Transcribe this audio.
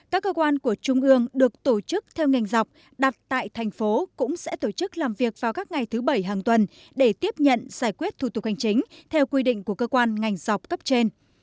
các cơ quan của trung ương được tổ chức theo ngành dọc đặt tại thành phố cũng sẽ tổ chức làm việc vào các ngày thứ bảy hàng tuần để tiếp nhận giải quyết thủ tục hành chính theo quy định của cơ quan ngành dọc cấp trên